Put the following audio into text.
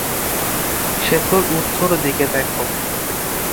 সেতুর উত্তর দিকে দেখ।